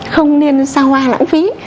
không nên xa hoa lãng phí